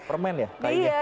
permen ya kayaknya